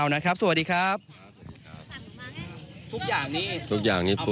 สวัสดีครับสวัสดีครับสวัสดีครับทุกอย่างนี้ทุกอย่างนี้ปลุก